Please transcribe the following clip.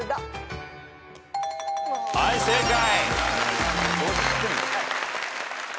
はい正解。